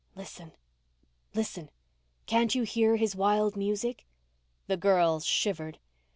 Listen—listen—can't you hear his wild music?" The girls shivered.